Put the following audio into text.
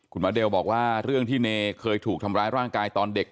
หมอเดลบอกว่าเรื่องที่เนเคยถูกทำร้ายร่างกายตอนเด็ก